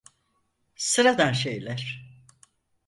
Sıradan şeyler.